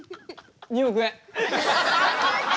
２億円。